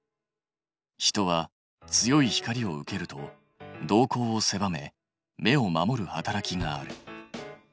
人は強い光を受けると瞳孔をせばめ目を守る働きがある。